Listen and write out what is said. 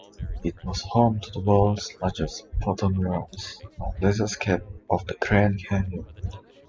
It was home to the world's largest "photo-mural", a laserscape of the Grand Canyon.